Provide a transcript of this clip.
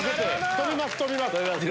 飛びます飛びます。